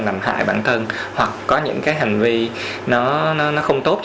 nằm hại bản thân hoặc có những cái hành vi nó không tốt